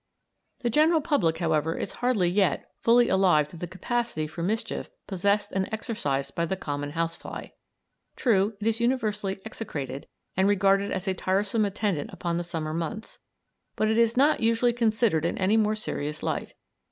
The general public, however, is hardly yet fully alive to the capacity for mischief possessed and exercised by the common house fly. True, it is universally execrated and regarded as a tiresome attendant upon the summer months, but it is not usually considered in any more serious light.